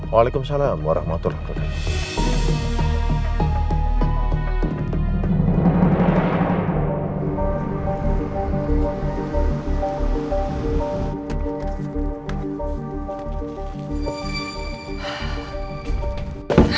waalaikumsalam warahmatullahi wabarakatuh